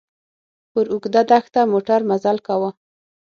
پر اوږده دښته موټر مزل کاوه.